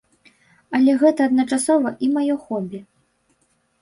Але гэта адначасова і маё хобі.